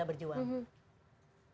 lagi lagi di praksi balkon kita berjuang